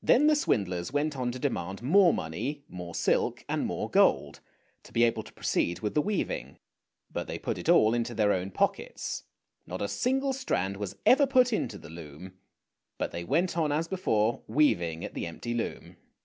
Then the swindlers went on to demand more money, more silk, and more gold, to be able to proceed with the weaving; but thev put it all into their own pockets — not a single strand was ever put into the loom, but they went on as before weaving at the empty loom.